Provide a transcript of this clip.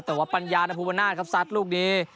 แต่วัฟปัญญาโคปนาศรักษาลูกนี้